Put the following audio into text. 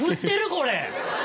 これ。